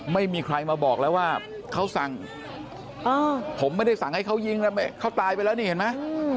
ไม่มีใครมาบอกแล้วว่าเขาสั่งผมไม่ได้สั่งให้เขายิงแล้วเขาตายไปแล้วนี่เห็นไหม